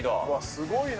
すごいな。